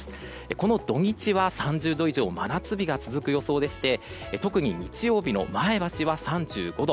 この土日は３０度以上真夏日が続く予想でして特に日曜日の前橋は３５度。